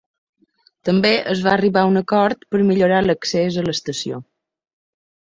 També es va arribar a un acord per millorar l'accés a l'estació.